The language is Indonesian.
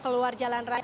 keluar jalan jalur